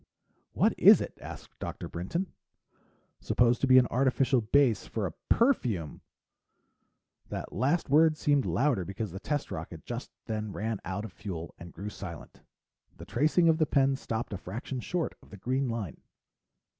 "What is it?" asked Dr. Brinton. "Supposed to be an artificial base for a perfume!" The last word seemed louder because the test rocket just then ran out of fuel and grew silent. The tracing of the pen stopped a fraction short of the green line.